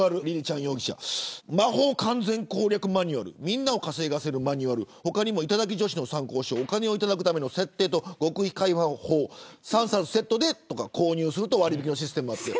魔法完全攻略マニュアルみんなを稼がせるマニュアル他にも、頂き女子の参考書お金を頂くための設定と極秘会話法３冊セットで購入すると割引のシステムがあった。